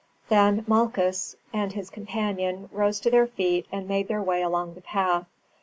Then Malchus and his companion rose to their feet, and made their way along the path.